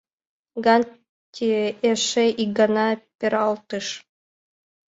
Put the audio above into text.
Гантье эше ик гана пералтыш.